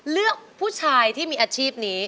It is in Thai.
เลือกผู้ชายที่มีอาชีพนี้